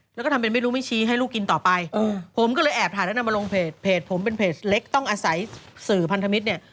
แล้วก็ทำเป็นไม่รู้ไม่ชี้ให้ลูกกินต่อไป